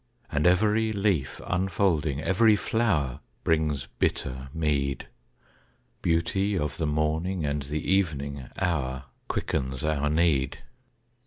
And every leaf unfolding, every flower Brings bitter meed; Beauty of the morning and the evening hour Quickens our need.